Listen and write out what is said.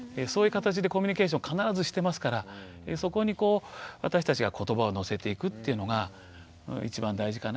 そういう形でコミュニケーションを必ずしてますからそこにこう私たちがことばをのせていくっていうのが一番大事かなと。